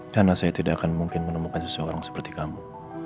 karena saya tidak akan mungkin menemukan seseorang seperti kamu